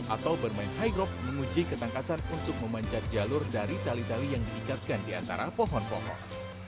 atau bermain high rock menguji ketangkasan untuk memanjat jalur dari tali tali yang diikatkan di antara pohon pohon